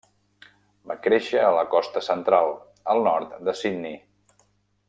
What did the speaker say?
Va créixer a la Costa Central, al nord de Sydney.